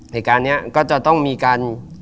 เหตุการณ์นี้ก็จะต้องมีการ